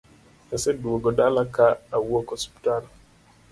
Aseduogo dala ka awuok osiptal